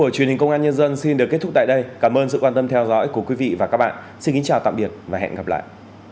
chào tạm biệt và hẹn gặp lại